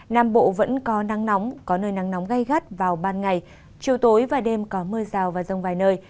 nam bộ vẫn có nắng nóng có nơi nắng nóng gai gắt vào ban ngày chiều tối và đêm có mưa rào và rông vài nơi